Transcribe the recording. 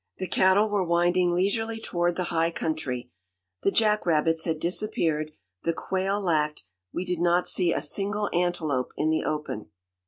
The cattle were winding leisurely toward the high country; the jack rabbits had disappeared; the quail lacked; we did not see a single antelope in the open.